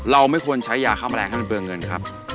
เราไม่ควรใช้ยาฆ่าแมลงให้มันเบื่อเงินครับ